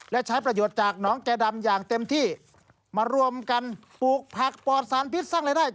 และใช้ประโยชน์จากน้องแก่ดำอย่างเต็มที่มารวมกันปลูกผักปลอดสารพิษสร้างรายได้